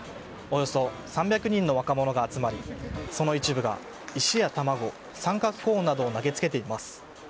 およそ３００人の若者が集まりその一部が石や卵、三角コーンなどを投げつけています。